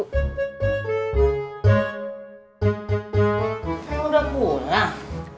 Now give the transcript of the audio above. neng udah pulang